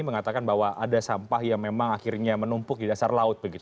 mengatakan bahwa ada sampah yang memang akhirnya menumpuk di dasar laut